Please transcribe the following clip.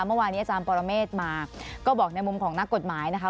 เมื่อวานนี้อาจารย์ปรเมฆมาก็บอกในมุมของนักกฎหมายนะคะ